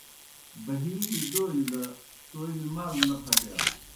بہِیلیْ ڈولیْ دہ تومیْ مال نہ پھتِیا۔